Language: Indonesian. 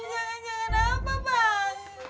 jangan jangan apa bang